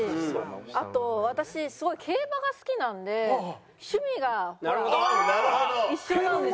あと私すごい競馬が好きなんで趣味がほら一緒なんですよ。